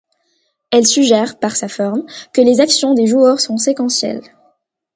Elle suggère, par sa forme, que les actions des joueurs sont séquentielles.